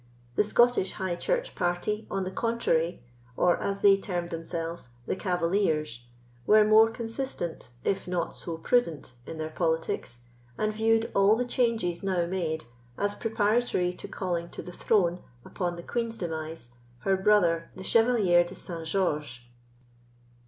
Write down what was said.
The Scottish High Church party, on the contrary, or, as they termed themselves, the Cavaliers, were more consistent, if not so prudent, in their politics, and viewed all the changes now made as preparatory to calling to the throne, upon the queen's demise, her brother the Chevalier de St. George.